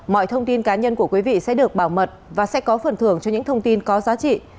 mọi thông tin cá nhân của quý vị sẽ được bảo mật và sẽ có phần thưởng cho những thông tin có giá trị